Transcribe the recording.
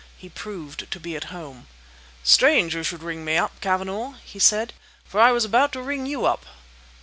He proved to be at home. "Strange you should ring me up, Cavanagh," he said; "for I was about to ring you up."